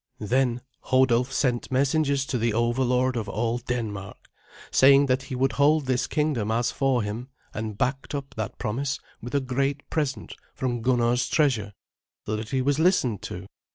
Then Hodulf sent messengers to the overlord of all Denmark, saying that he would hold this kingdom as for him, and backed up that promise with a great present from Gunnar's treasure, so that he was listened to.